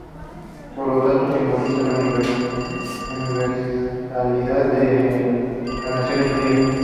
Por lo tanto, simboliza la universalidad de las Naciones Unidas".